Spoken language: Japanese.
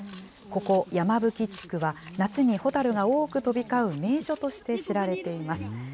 ここ、山吹地区は夏にホタルが多く飛び交う名所として知られています。